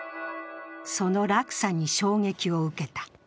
その落差に衝撃を受けた。